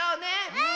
うん！